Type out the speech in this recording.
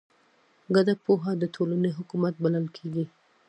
ګډه پوهه د ټولنې حکمت بلل کېږي.